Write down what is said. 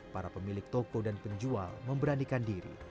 para pemilik toko dan penjual memberanikan diri